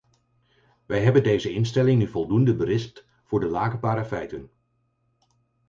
Wij hebben deze instelling nu voldoende berispt voor de laakbare feiten.